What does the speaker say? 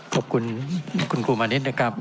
ขอบคุณคุณครูมานิดนะครับ